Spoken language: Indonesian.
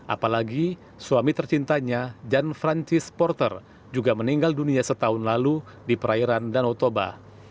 apalagi suami tercintanya jan francis porter juga meninggal dunia setahun lalu di perairan danau toba